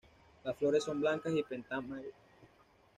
Las flores son blancas y pentámeras.